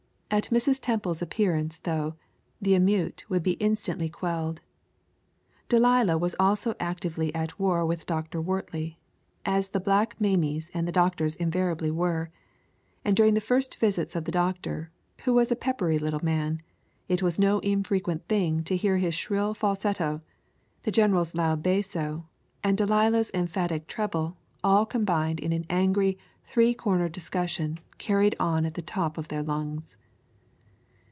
At Mrs. Temple's appearance, though, the emeute would be instantly quelled. Delilah was also actively at war with Dr. Wortley, as the black mammies and the doctors invariably were, and during the visits of the doctor, who was a peppery little man, it was no infrequent thing to hear his shrill falsetto, the general's loud basso, and Delilah's emphatic treble all combined in an angry three cornered discussion carried on at the top of their lungs.